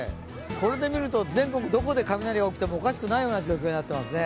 これで見ると、全国どこで雷が鳴ってもおかしくない状況ですね。